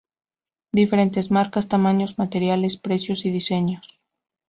Diferentes marcas, tamaños, materiales, precios y diseños.